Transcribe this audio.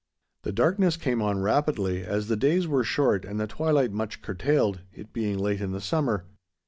The darkness came on rapidly, as the days were short and the twilight much curtailed, it being late in the summer.